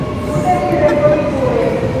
Uteeshirefo ifure.